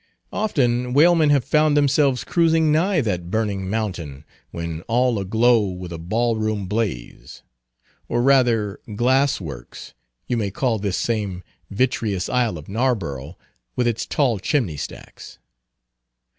Often whalemen have found themselves cruising nigh that burning mountain when all aglow with a ball room blaze. Or, rather, glass works, you may call this same vitreous isle of Narborough, with its tall chimney stacks.